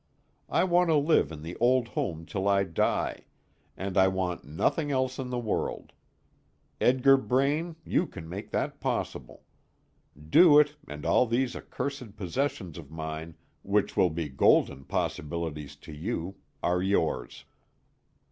I want to live in the old home till I die, and I want nothing else in the world. Edgar Braine, you can make that possible. Do it, and all these accursed possessions of mine, which will be golden possibilities to you, are yours!"